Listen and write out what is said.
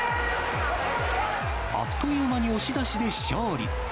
あっという間に押し出しで勝利。